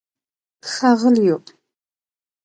ښاغلیو